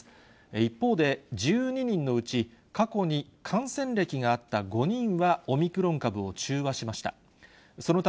一方で、１２人のうち過去に感染歴があった５人はオミクロン株を中和しました。